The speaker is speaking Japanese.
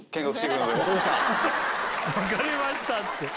「分かりました」って。